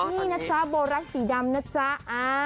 นี่นะจ๊ะโบรักสีดำนะจ๊ะ